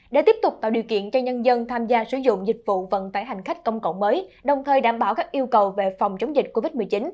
để tiếp tục tạo điều kiện cho nhân dân tham gia sử dụng dịch vụ vận tải hành khách công cộng mới đồng thời đảm bảo các yêu cầu về phòng chống dịch covid một mươi chín